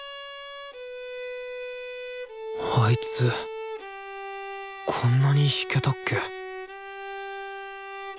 あいつこんなに弾けたっけ？